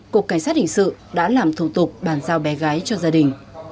cục cảnh sát hình sự đã làm thủ tục bàn giao bé gái cho gia đình